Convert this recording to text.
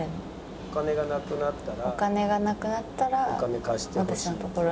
「お金がなくなったら」。